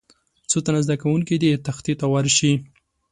څو تنه زده کوونکي دې تختې ته ورشي.